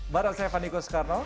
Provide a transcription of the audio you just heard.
barang saya fadiko soekarno